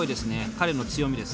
彼の強みです。